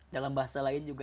dalam bahasa lain juga